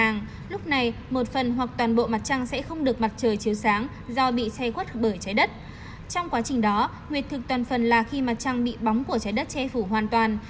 nguyệt thực toàn phần là khi mặt trăng bị bóng của trái đất che phủ hoàn toàn